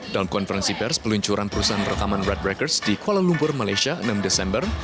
dalam konferensi pers peluncuran perusahaan rekaman red breakers di kuala lumpur malaysia enam desember